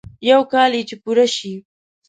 يو کال يې چې پوره شي.